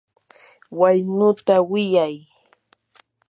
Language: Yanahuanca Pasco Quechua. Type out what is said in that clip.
waynuta wiyay.